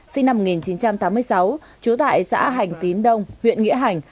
sinh năm một nghìn chín trăm tám mươi sáu trú tại xã hành tín đông huyện nghĩa hành